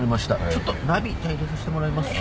ちょっとナビ入れさしてもらいます。